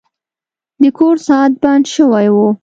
د کور ساعت بند شوی و.